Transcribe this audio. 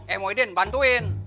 eh moedin bantuin